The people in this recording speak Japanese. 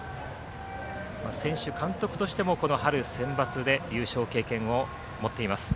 選手、監督としても春センバツで優勝経験を持っています。